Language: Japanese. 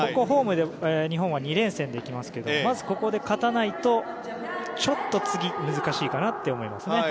ホームで日本は２連戦できますけどもまず、ここで勝たないとちょっと次、難しいかなと思います。